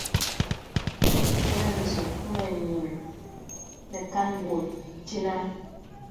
Inə nzūk mə nīŋ nə kān bòt dīnə.